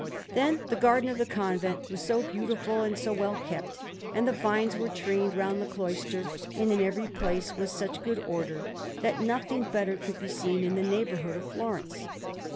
Then the garden of this convent was so beautiful and so well kept, and the vines were trained round the cloister and in every place with such good order, that nothing better could be seen in the neighbourhood of Florence.